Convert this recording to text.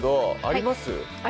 あります